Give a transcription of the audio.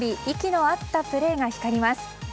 息の合ったプレーが光ります。